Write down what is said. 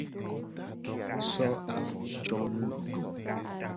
So avo co nududu.